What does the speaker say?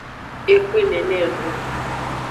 Exwe nene edo.